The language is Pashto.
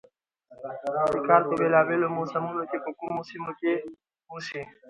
د کال په بېلا بېلو موسمونو کې په کومو سيمو کښې اوسي،